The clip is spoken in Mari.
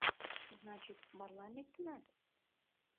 — Значит, марлан лектынат?